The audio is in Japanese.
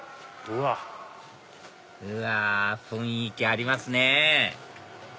うわ雰囲気ありますね